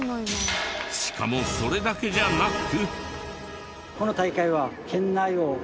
しかもそれだけじゃなく。